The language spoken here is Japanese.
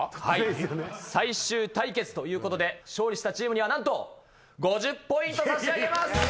最終対決ということで勝利したチームにはなんと５０ポイント差し上げます！